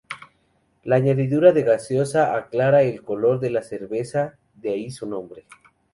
La añadidura de gaseosa aclara el color de la cerveza, de ahí su nombre.